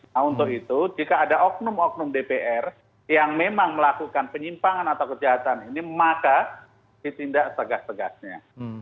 nah untuk itu jika ada oknum oknum dpr yang memang melakukan penyimpangan atau kejahatan ini maka ditindak tegas tegasnya